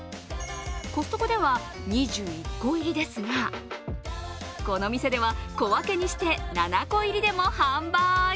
コストコでは２１個入りですが、この店では小分けにして７個入りでも販売。